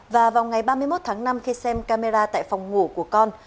và vào ngày ba mươi một tháng năm khi xem camera tại phòng ngủ của con